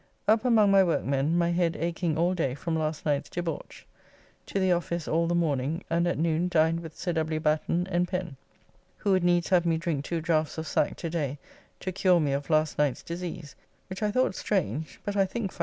Up among my workmen, my head akeing all day from last night's debauch. To the office all the morning, and at noon dined with Sir W. Batten and Pen, who would needs have me drink two drafts of sack to day to cure me of last night's disease, which I thought strange but I think find it true.